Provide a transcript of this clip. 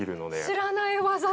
知らない技出た。